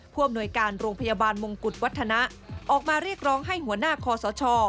อำนวยการโรงพยาบาลมงกุฎวัฒนะออกมาเรียกร้องให้หัวหน้าคอสช